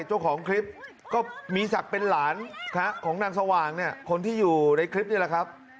เจ้าของคลิปก็มีศักดิ์เป็นหลานของนางสว่างเนี่ยคนที่อยู่ในคลิปนี่แหละครับ